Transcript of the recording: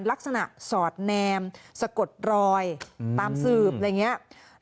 ลักษณะสอดแนมสะกดรอยตามสืบอะไรอย่างนี้